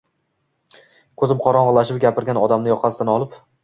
Koʻzim qorongʻulashib, gapirgan odamni yoqasidan olib